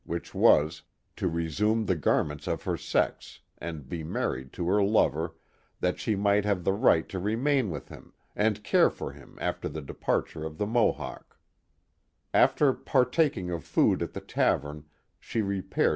which was, to resume the garments of her sex and be married to her lover, that she might have the right to remain with him, and care for him after the departure of the Mohawk, After partaking of food at the tavern, she repaired.